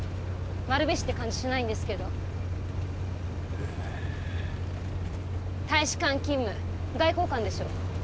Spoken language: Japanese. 丸菱って感じしないんですけど大使館勤務外交官でしょ？